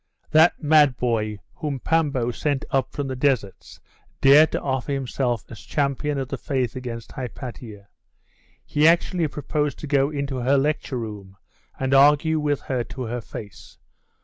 'That mad boy whom Pambo sent up from the deserts dared to offer himself as champion of the faith against Hypatia. He actually proposed to go into her lecture room and argue with her to her face.